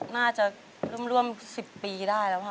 น่าจะร่วม๑๐ปีได้แล้วค่ะ